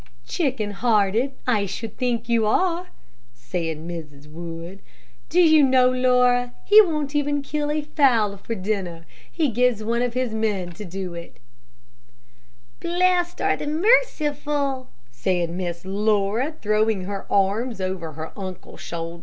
"Chicken hearted I should think you are," said Mrs. Wood. "Do you know, Laura, he won't even kill a fowl for dinner. He gives it to one of the men to do." "Blessed are the merciful," said Miss Laura, throwing her arm over her uncle's shoulder.